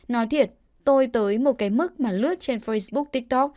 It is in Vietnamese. nói thiệt tôi tới một cái mức mà lướt trên facebook tiktok